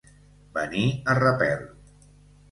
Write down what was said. Venir a repel.